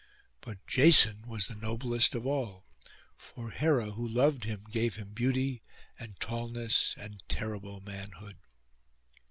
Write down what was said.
But Jason was the noblest of all; for Hera, who loved him, gave him beauty and tallness and terrible manhood.